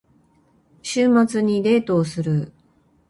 週末にデートをする。